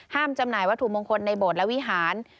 จำหน่ายวัตถุมงคลในโบสถและวิหาร